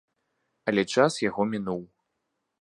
Але час яго мінуў.